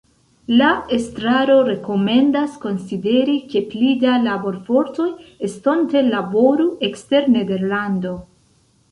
La estraro rekomendas konsideri, ke pli da laborfortoj estonte laboru ekster Nederlando.